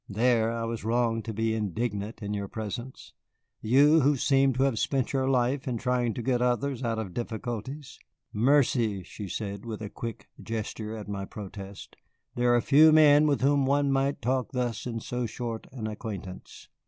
There, I was wrong to be indignant in your presence, you who seem to have spent your life in trying to get others out of difficulties. Mercy," she said, with a quick gesture at my protest, "there are few men with whom one might talk thus in so short an acquaintance.